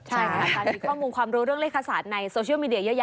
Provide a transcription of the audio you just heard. ใช่ค่ะมีข้อมูลความรู้เรื่องเลขศาสตร์ในโซเชียลมีเดียเยอะ